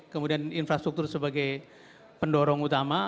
kemudian infrastruktur sebagai pendorong utama